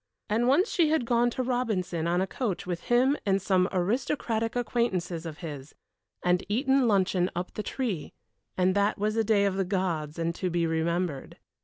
And once she had gone to Robinson on a coach with him and some aristocratic acquaintances of his, and eaten luncheon up the tree, and that was a day of the gods and to be remembered.